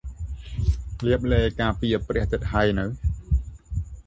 លាបឡេការពារព្រះអាទិត្យហើយនៅ?